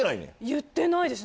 言ってないです。